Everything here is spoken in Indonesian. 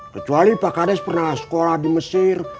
kecuali pak kades pernah sekolah di mesir